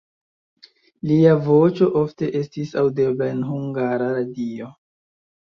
Lia voĉo ofte estis aŭdebla en Hungara Radio.